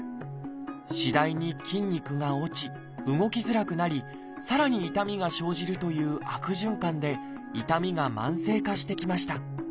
次第に筋肉が落ち動きづらくなりさらに痛みが生じるという悪循環で痛みが慢性化していきました。